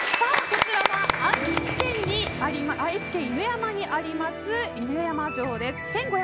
こちらは愛知県犬山にある犬山城です。